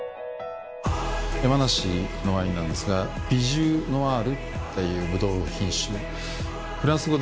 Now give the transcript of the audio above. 山梨のワインなんですがビジュノワールっていうブドウ品種。